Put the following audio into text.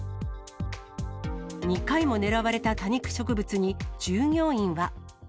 ２回も狙われた多肉植物に、従業員は。